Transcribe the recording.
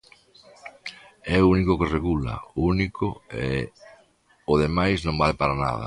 É o único que regula, o único, e o demais non vale para nada.